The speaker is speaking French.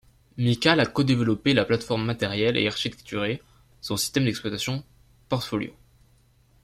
Mical a codéveloppé la plate-forme matériel et architecturé son système d'exploitation, Portfolio.